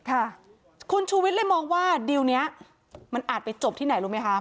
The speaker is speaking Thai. ค่ะคุณชูวิทย์เลยมองว่าดิวนี้มันอาจไปจบที่ไหนรู้ไหมคะ